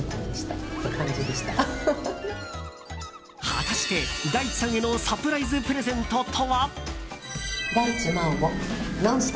果たして、大地さんへのサプライズプレゼントとは？